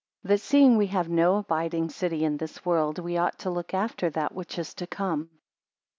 That seeing we have no abiding city in this world, we ought to look after that which is to come.